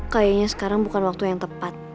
kayaknya sekarang bukan waktu yang tepat